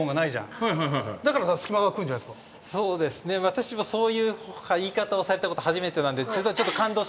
私もそういう言い方をされたこと初めてなんで。